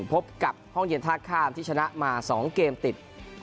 พบกับห้องเย็นท่าข้ามที่ชนะมา๒เกมติด